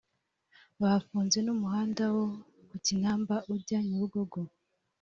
bafunze n’umuhanda wo ku kinamba ujya Nyabugogo